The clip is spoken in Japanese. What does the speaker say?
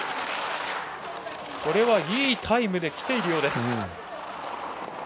これは、いいタイムで来ているようです。